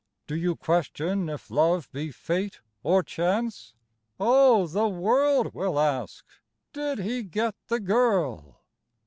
Do you question if love be fate, or chance? Oh, the world will ask: "Did he get the girl?"